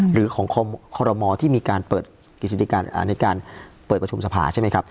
หรือของคอรมอที่มีการเปิดกิจการในการเปิดประชุมสภาใช่ไหมครับ